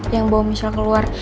yang bawa michelle keluar